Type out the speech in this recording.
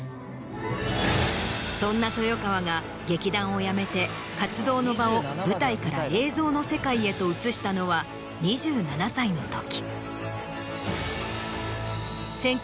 そんな豊川が劇団をやめて活動の場を舞台から映像の世界へと移したのは２７歳のとき。